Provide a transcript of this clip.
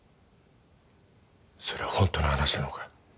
それホントの話なのか？